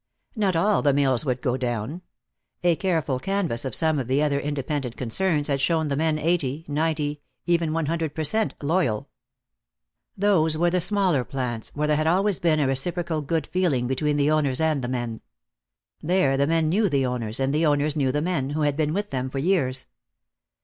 Not all the mills would go down. A careful canvass of some of the other independent concerns had shown the men eighty, ninety, even one hundred per cent, loyal. Those were the smaller plants, where there had always been a reciprocal good feeling between the owners and the men; there the men knew the owners, and the owners knew the men, who had been with them for years.